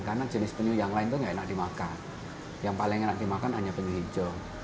karena jenis penyu yang lain itu gak enak dimakan yang paling enak dimakan hanya penyu hijau